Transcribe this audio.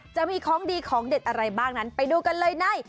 จะมีของดีของเด็ดอะไรบ้างนั้นไปดูกันเลยใน